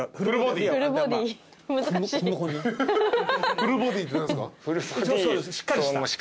フルボディって何すか？